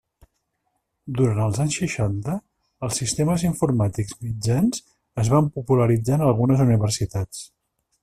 Durant els anys seixanta, els sistemes informàtics mitjans es van popularitzar en algunes universitats.